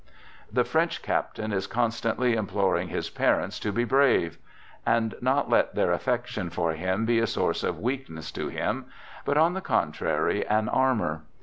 The French captain is constantly imploring his parents to be brave, and not let their affection for him be a source of weakness to him, but, on the con trary, an armor.